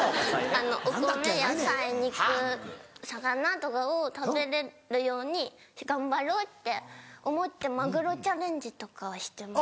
お米野菜肉魚とかを食べれるように頑張ろうって思ってマグロチャンレンジとかはしてます。